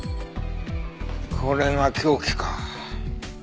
これが凶器か。